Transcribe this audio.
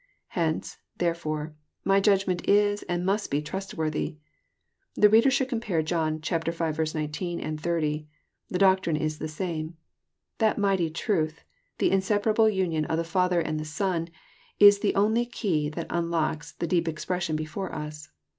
Hence, therefore, my judgment is and must be trustworthy." The reader should compare John v. 19. and 30. The doctrine is the same. That mighty truth, — the insepa rable union of the Father and the Sou, — is the only key that unlocks the deep expression before us.